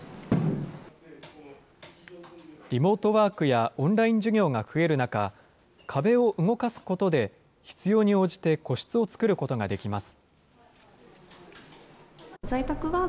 リモートワークやオンライン授業が増える中、壁を動かすことで、必要に応じて個室を作ることができます。